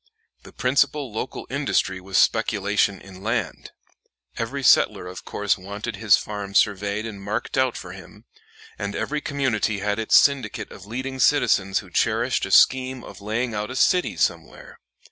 The principal local industry was speculation in land. Every settler of course wanted his farm surveyed and marked out for him, and every community had its syndicate of leading citizens who cherished a scheme of laying out a city somewhere.